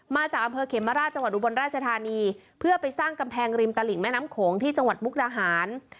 มาจากอำเภอเขมราชจังหวัดอุบลราชธานีเพื่อไปสร้างกำแพงริมตลิ่งแม่น้ำโขงที่จังหวัดมุกดาหาร